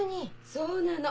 そうなの。